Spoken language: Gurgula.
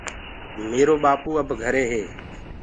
ميرو ٻآپو اب گھري هي۔